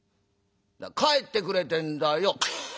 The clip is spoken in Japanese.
帰ってくれってんだよ」。